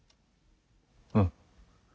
うん。